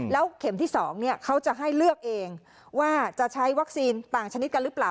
แล้วเข็มที่๒เขาจะให้เลือกเองว่าจะใช้วัคซีนต่างชนิดกันหรือเปล่า